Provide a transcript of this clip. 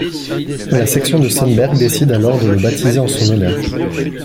La section de Sonneberg décide alors de le baptiser en son honneur.